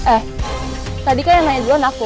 eh tadi kan yang nanya dulu anakku